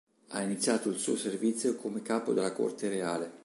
Ha iniziato il suo servizio come capo della Corte Reale.